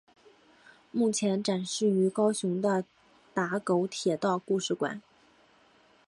目前展示于高雄的打狗铁道故事馆。